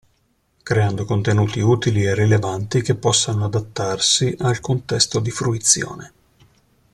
Creando contenuti utili e rilevanti che possano adattarsi al contesto di fruizione.